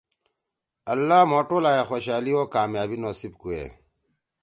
اللہ مھو ٹوالائے خوشحألی او کامیابی نصیب کوئے.